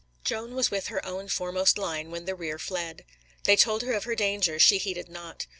Joan was with her own foremost line when the rear fled. They told her of her danger; she heeded not.